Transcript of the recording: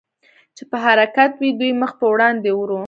چې په حرکت وې، دوی مخ په وړاندې ورو.